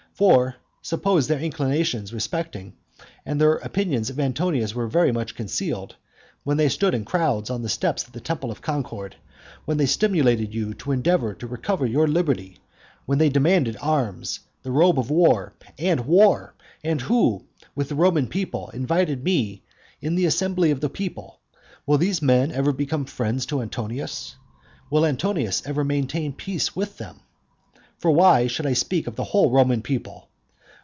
For, suppose their inclinations respecting, and their opinions of Antonius were very much concealed, when they stood in crowds on the steps of the temple of Concord, when they stimulated you to endeavour to recover your liberty, when they demanded arms, the robe of war, and war, and who, with the Roman people, invited me to meet in the assembly of the people, will these men ever become friends to Antonius? will Antonius ever maintain peace with them? For why should I speak of the whole Roman people?